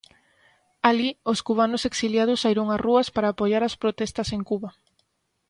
Alí, os cubanos exiliados saíron ás rúas para apoiar as protestas en Cuba.